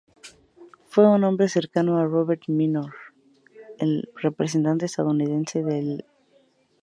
Fue un hombre cercano a Robert Minor, el representante estadounidense del Komintern en España.